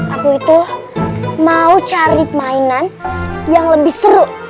aku itu mau cari mainan yang lebih seru